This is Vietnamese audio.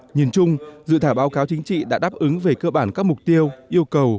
nhìn chung dự thảo báo cáo chính trị đã đáp ứng về cơ bản các mục tiêu yêu cầu